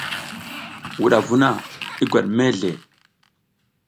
Wudavu na i gwat mezle.